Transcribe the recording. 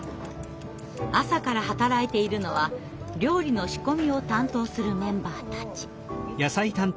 朝から働いているのは料理の仕込みを担当するメンバーたち。